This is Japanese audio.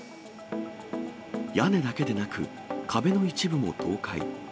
屋根だけでなく、壁の一部も倒壊。